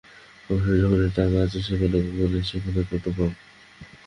সংসারে যেখানে যত টাকা সেখানে তত নারী, সেখানে তত পাপ।